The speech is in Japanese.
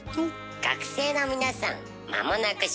学生の皆さんまもなく新学期。